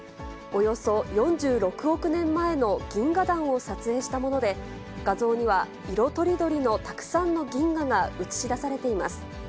およそ４６億年前の銀河団を撮影したもので、画像には色とりどりのたくさんの銀河が映し出されています。